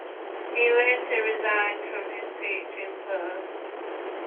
He later resigned from his teaching post.